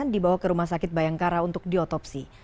dibawa ke rumah sakit bayangkara untuk diotopsi